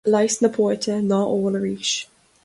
Leigheas na póite ná ól arís.